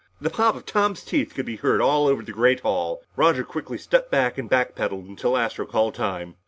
The pop of Tom's teeth could be heard all over the great hall. Roger quickly stepped back, and back pedaled until Astro called time.